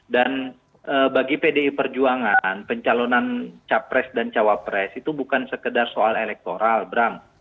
dan bagi pdi perjuangan pencalonan capres dan cawapres itu bukan sekedar soal elektoral bram